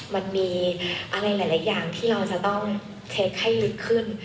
มันมีอะไรหลายอย่างที่เราจะต้องเทคให้ลึกขึ้น